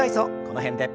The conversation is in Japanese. この辺で。